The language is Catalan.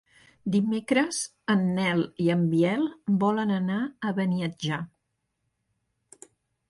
Dimecres en Nel i en Biel volen anar a Beniatjar.